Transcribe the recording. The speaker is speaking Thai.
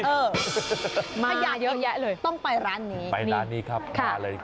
เออมาพญาเยอะแยะเลยต้องไปร้านนี้ไปร้านนี้ครับมาเลยครับ